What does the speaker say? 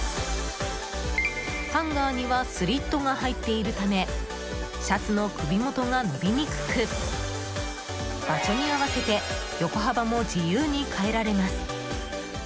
ハンガーにはスリットが入っているためシャツの首元が伸びにくく場所に合わせて横幅も自由に変えられます。